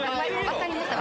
分かりました。